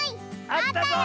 あったよ！